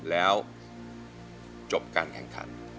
แล้วจบการแข่งขัน